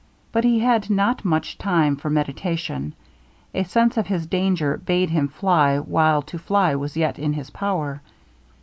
But he had not much time for meditation; a sense of his danger bade him fly while to fly was yet in his power.